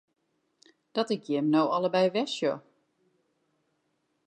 Dat ik jim no allebeide wer sjoch!